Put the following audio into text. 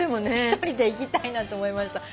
１人で行きたいなと思いました。